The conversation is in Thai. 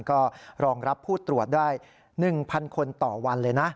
ก็รองรับผู้ตรวจได้๑๐๐คนต่อวันเลยนะ